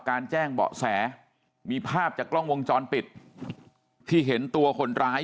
แจ้งเบาะแสมีภาพจากกล้องวงจรปิดที่เห็นตัวคนร้าย